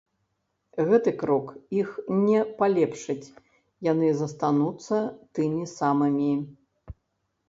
Гэты крок іх не палепшыць, яны застануцца тымі самымі.